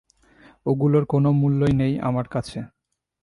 ওগুলোর কোনো মূল্যই নেই আমার কাছে।